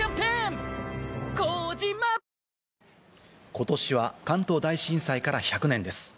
ことしは関東大震災から１００年です。